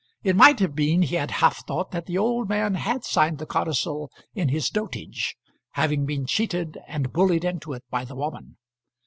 It might have been, he had half thought, that the old man had signed the codicil in his dotage, having been cheated and bullied into it by the woman.